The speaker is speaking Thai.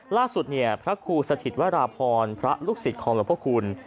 ล่าสุดเนี่ยพระครูสถิตวราพรพระลูกศิษย์ของหลวงพระคุณ